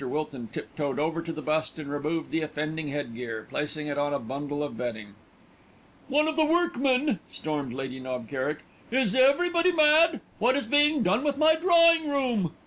Wilton tiptoed over to the bust and removed the offending headgear, placing it on a bundle of bedding. "One of the workmen!" stormed Lady Knob Kerrick. "Is everybody mad? What is being done with my drawing room?"